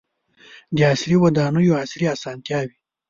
• د عصري ودانیو عصري اسانتیاوې.